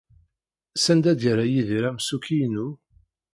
Sanda ay yerra Yidir amsukki-inu?